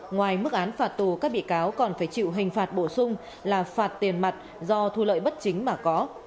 ngoài mức án phạt tù các bị cáo còn phải chịu hình phạt bổ sung là phạt tiền mặt do thu lợi bất chính mà có